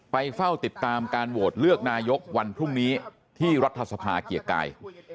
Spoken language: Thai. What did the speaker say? เฝ้าติดตามการโหวตเลือกนายกวันพรุ่งนี้ที่รัฐสภาเกียรติกาย